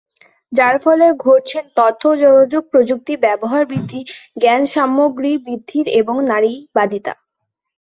যার ফলে ঘটছে তথ্য ও যোগাযোগ প্রযুক্তি ব্যবহার বৃদ্ধি, জ্ঞান সামগ্রী বৃদ্ধির এবং নারীবাদীতা।